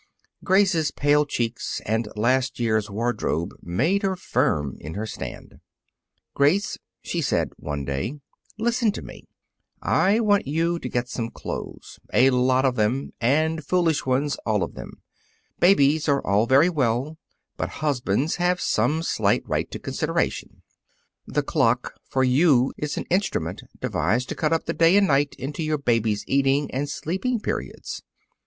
Grace's pale cheeks and last year's wardrobe made her firm in her stand. "Grace," she said, one day, "listen to me: I want you to get some clothes a lot of them, and foolish ones, all of them. Babies are all very well, but husbands have some slight right to consideration. The clock, for you, is an instrument devised to cut up the day and night into your baby's eating and sleeping periods.